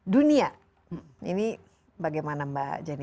dunia ini bagaimana mbak jenny